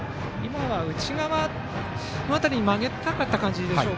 内側の辺りに曲げたかったでしょうか。